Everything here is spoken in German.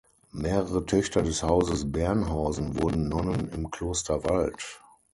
Mehrere Töchter des Hauses Bernhausen wurden Nonnen im Kloster Wald.